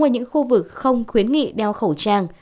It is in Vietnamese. ở những khu vực không khuyến nghị đeo khẩu trang